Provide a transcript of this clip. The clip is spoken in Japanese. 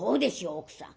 奥さん。